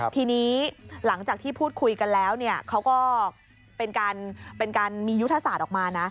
ทีนี้หลังจากที่พูดคุยกันแล้วเขาก็เป็นการมียุทธศาสตร์ออกมานะ